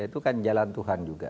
itu kan jalan tuhan juga